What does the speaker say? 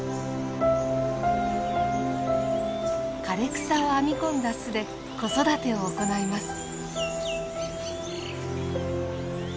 枯れ草を編み込んだ巣で子育てを行います。